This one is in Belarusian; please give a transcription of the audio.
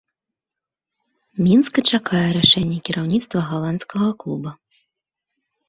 Мінск і чакае рашэння кіраўніцтва галандскага клуба.